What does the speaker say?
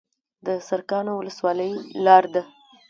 د سرکانو ولسوالۍ لاره ده